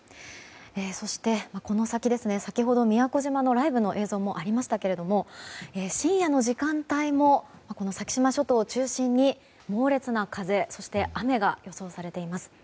そして、この先先ほど宮古島のライブの映像もありましたが深夜の時間帯も先島諸島を中心に猛烈な風、そして雨が予想されています。